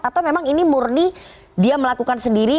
atau memang ini murni dia melakukan sendiri